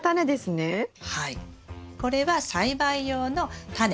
これは栽培用のタネ。